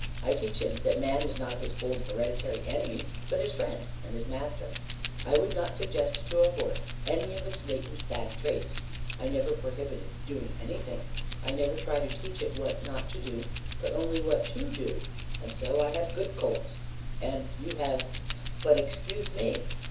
I teach him that man is not his old hereditary enemy, but his friend and his master. I would not suggest to a horse any of its latent bad traits. I never prohibit its doing anything. I never try to teach it what not to do, but only what to do. And so I have good colts, and you have but excuse me!"